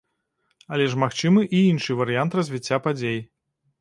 Але ж магчымы і іншы варыянт развіцця падзей.